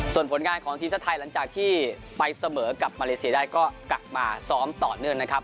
ส่วนผลงานของทีมชาติไทยหลังจากที่ไปเสมอกับมาเลเซียได้ก็กลับมาซ้อมต่อเนื่องนะครับ